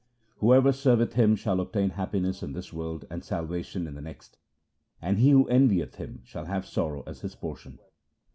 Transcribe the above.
' Whoever serveth him shall obtain happiness in this world and salvation in the next, and he who envieth him shall have sorrow as his portion.'